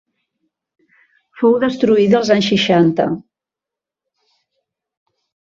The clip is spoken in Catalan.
Fou destruïda els anys seixanta.